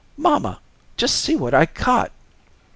"Mamma, just see what I caught."